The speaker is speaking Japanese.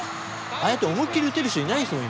ああやって思い切り打てる人いないですもん